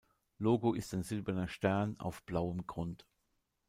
Logo ist ein silberner Stern auf blauem Grund.